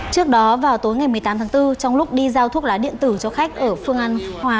trước đó vào tối ngày một mươi tám tháng bốn trong lúc đi giao thuốc lá điện tử cho khách ở phương an hòa